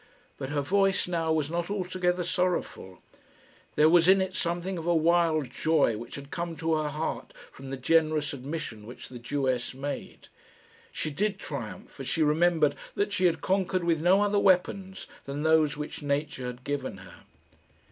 But her voice now was not altogether sorrowful. There was in it something of a wild joy which had come to her heart from the generous admission which the Jewess made. She did triumph as she remembered that she had conquered with no other weapons than those which nature had given her.